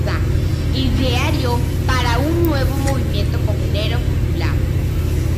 Ideario para un nuevo movimiento comunero popular".